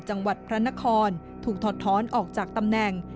จังหวัดพระนครถูกถอดท้อนออกจากตำแหน่ง